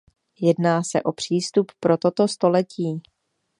Jedná se o přístup pro toto století.